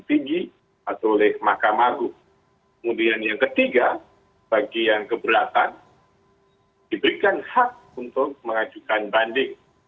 sebenarnya bagi yang keberatan diberikan hak untuk mengajukan banding